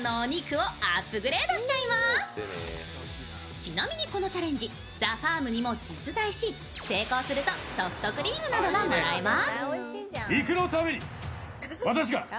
ちなみにこのチャレンジ、ＴＨＥＦＡＲＭにも実在し、成功すればソフトクリームなどがもらえます。